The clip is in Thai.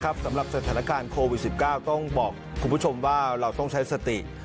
สำหรับสถานการณ์โควิด๑๙ต้องบอกคุณผู้ชมว่าเราต้องใช้สติ